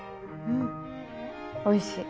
うんおいしい。